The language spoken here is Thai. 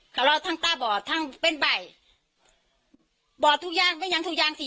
เขาแล้วทั้งต้าบอกทั้งเป็นใบบอกทุกอย่างไม่ยังทุกอย่างสิ